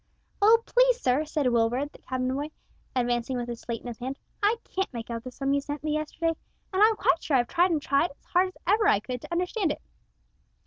"Oh, please, sir," said Will Ward, the cabin boy, advancing with a slate in his hand, "I can't make out the sum you set me yesterday, an' I'm quite sure I've tried and tried as hard as ever I could to understand it."